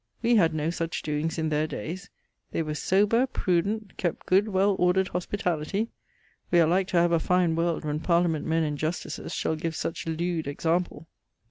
We had no such doings in their daies. They were sober, prudent; kept good well ordered hospitality. We are like to have a fine world when Parliament men and Justices shall give such lewd example....